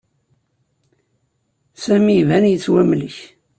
Sami iban-d yettwamlek.